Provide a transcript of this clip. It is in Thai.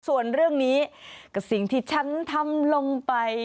ส่วนเรื่องนี้กับสิ่งที่ฉันทำลงไป